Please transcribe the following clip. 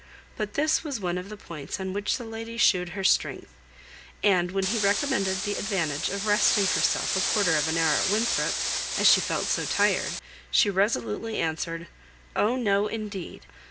But this was one of the points on which the lady shewed her strength; and when he recommended the advantage of resting herself a quarter of an hour at Winthrop, as she felt so tired, she resolutely answered, "Oh! no, indeed!